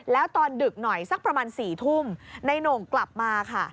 แล้วตอนดึกหน่อยสักประมาณ๔ทุ่มในโหน่งกลับมาค่ะ